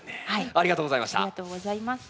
ありがとうございます。